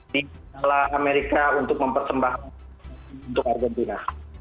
di kala amerika untuk mempersembahkan gelar untuk argentina